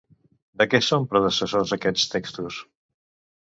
De què són predecessor aquests textos?